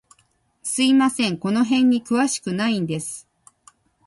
すみません、この辺に詳しくないんです。